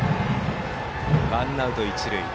ワンアウト、一塁。